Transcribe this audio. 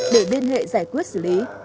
để biên hệ giải quyết xử lý